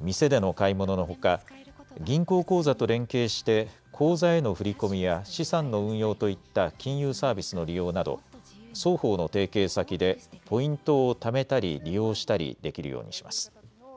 店での買い物のほか、銀行口座と連携して口座への振り込みや資産の運用といった金融サービスの利用など双方の提携先でポイントをためたり利用したりできるようにします。